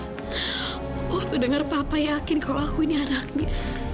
waktu denger papa yakin kalau aku ini anaknya